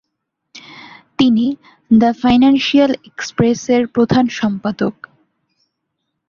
তিনি the financial এক্সপ্রেসের প্রধান সম্পাদক।